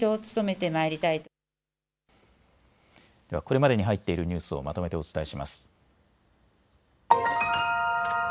では、これまでに入っているニュースをまとめてお伝えします。